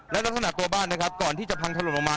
และลักษณะตัวบ้านนะครับก่อนที่จะพังถล่มลงมา